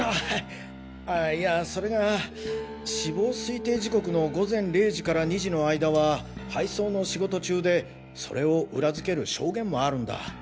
あいやそれが死亡推定時刻の午前０時から２時の間は配送の仕事中でそれを裏付ける証言もあるんだ。